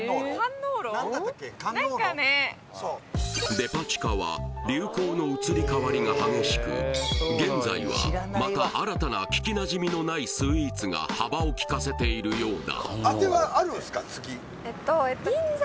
デパ地下は流行の移り変わりが激しく現在はまた新たな聞きなじみのないスイーツが幅を利かせているようだ